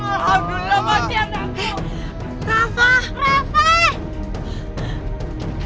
alhamdulillah mati anakku